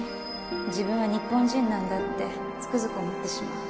自分は日本人なんだってつくづく思ってしまう